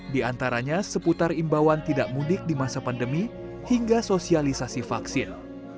di antaranya seputar imbauan tidak mudik di masa pandemi hingga sosialisasi vaksin